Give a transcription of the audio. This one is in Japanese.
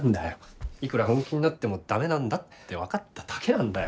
いくら本気になっても駄目なんだって分かっただけなんだよ。